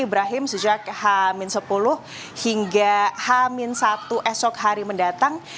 ibrahim sejak h sepuluh hingga h satu esok hari mendatang